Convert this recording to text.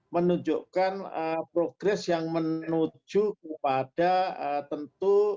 menunjukkan progres yang menuju kepada tentu